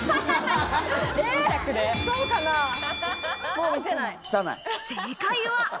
正解は。